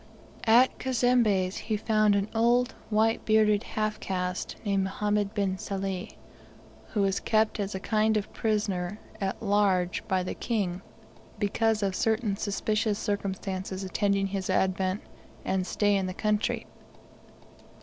At Cazembe's he found an old white bearded half caste named Mohammed bin Sali, who was kept as a kind of prisoner at large by the King because of certain suspicious circumstances attending his advent and stay in the country.